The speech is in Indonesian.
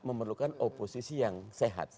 memerlukan oposisi yang sehat